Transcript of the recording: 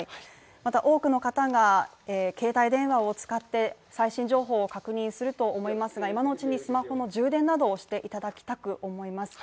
また多くの方が携帯電話を使って最新情報を確認すると思いますが今のうちにスマホの充電などをしていただきたく思います。